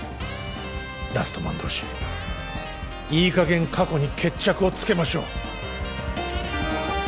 ラストマン同士いいかげん過去に決着をつけましょう